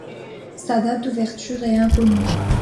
Sa date d'ouverture est inconnue.